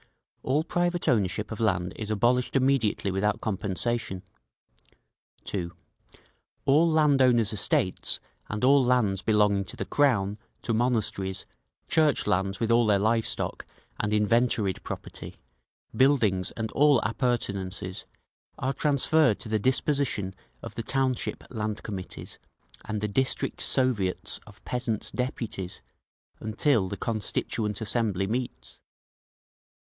All private ownership of land is abolished immediately without compensation. (2.) All land owners' estates, and all lands belonging to the Crown, to monasteries, church lands with all their live stock and inventoried property, buildings and all appurtenances, are transferred to the disposition of the township Land Committees and the district Soviets of Peasants' Deputies until the Constituent Assembly meets.